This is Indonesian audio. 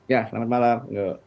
ya selamat malam